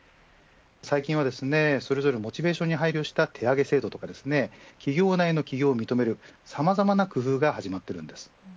最近はそれぞれモチベーションに配慮した手上げ制度や企業内の起業を認めるさまざまな工夫が始まっているんです。